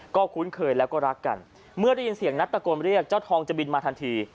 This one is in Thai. ก็คุ้นเคยแล้วก็รักกันเมื่อได้ยินเสียงนัดตะโกนเรียกเจ้าทองจะบินมาทันที